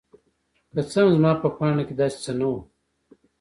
که څه هم زما په پاڼو کې داسې څه نه وو.